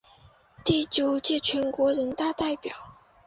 第九届全国人大代表。